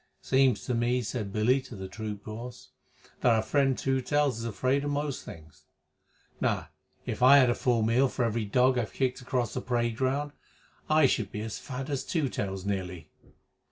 "Seems to me," said Billy to the troop horse, "that our friend Two Tails is afraid of most things. Now, if I had a full meal for every dog I've kicked across the parade ground I should be as fat as Two Tails nearly."